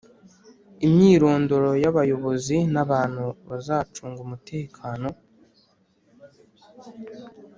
imyirondoro y abayobozi n abantu bazacunga umutekano